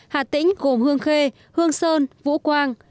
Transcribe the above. hạt tĩnh gồm hương khê hương sơn vũ quang